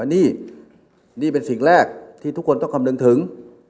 นี่นี่เป็นสิ่งแรกที่ทุกคนต้องคำนึงถึง